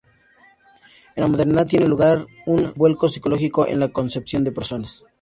En la modernidad tiene lugar un vuelco psicológico en la concepción de persona.